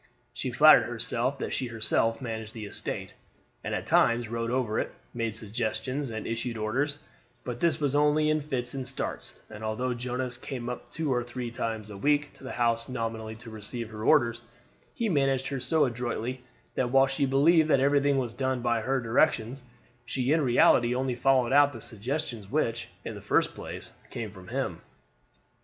She flattered herself that she herself managed the estate, and at times rode over it, made suggestions, and issued orders, but this was only in fits and starts; and although Jonas came up two or three times a week to the house nominally to receive her orders, he managed her so adroitly that while she believed that everything was done by her directions, she in reality only followed out the suggestions which, in the first place, came from him.